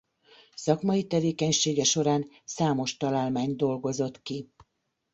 Szakmai tevékenysége során számos találmányt dolgozott ki.